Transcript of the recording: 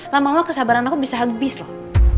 lamamah kesabaran aku bisa habis loh